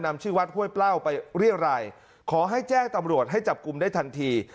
ชื่อวัดห้วยเปล้าไปเรียรัยขอให้แจ้งตำรวจให้จับกลุ่มได้ทันที